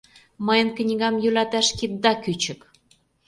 Мыйын книгам йӱлаташ кидда кӱчык!